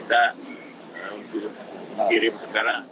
kalau feminis nanti kita kirim sekarang